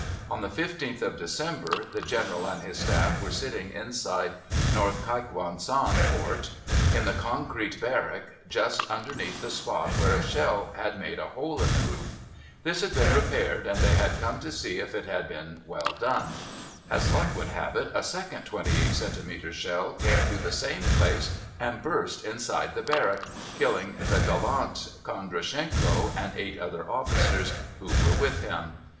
On the 15th of December the General and his staff were sitting inside North Keikwansan Fort, in the concrete barrack just underneath the spot where a shell had made a hole in the roof. This had been repaired, and they had come to see if it had been well done. As luck would have it, a second 28 centimetre shell came through the same place and burst inside the barrack, killing the gallant Kondrachenko and eight other officers who were with him.